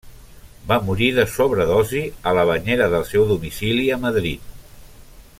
Va morir de sobredosi a la banyera del seu domicili a Madrid.